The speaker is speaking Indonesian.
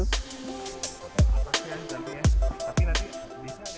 berbeda dengan sebuah kawasan